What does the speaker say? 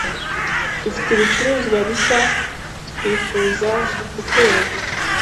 Dufite ibicuruzwa bishya twifuza kukwereka.